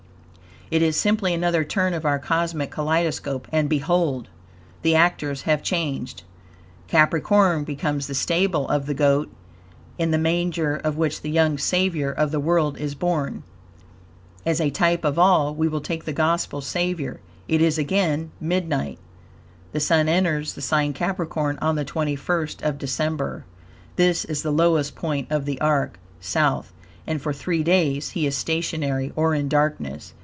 It is simply another turn of our cosmic kaleidoscope, and behold! the actors have changed. Capricorn becomes the stable of the Goat, in the manger of which the young Savior of the world is born. As a type of all, we will take the Gospel Savior. It is again midnight. The Sun enters the sign Capricorn on the twenty first of December. This is the lowest point of the arc, South, and for three days he is stationary, or in darkness.